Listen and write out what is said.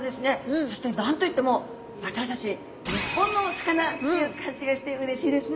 そして何と言っても私たち日本のお魚っていう感じがしてうれしいですね。